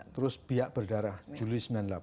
terus biak berdarah juli sembilan puluh delapan